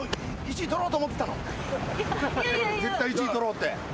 絶対１位取ろうって？